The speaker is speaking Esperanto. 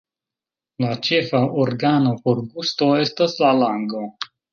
La ĉefa organo por gusto estas la lango.